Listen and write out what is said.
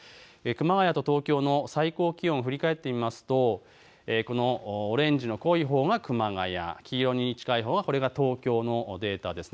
熊谷と東京の最高気温を振り返ってみますとオレンジの濃いほうが熊谷、黄色に近いほうが東京のデータです。